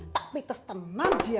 tapi tersenang dia